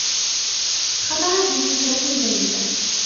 خطرت لي فكرة جيدة.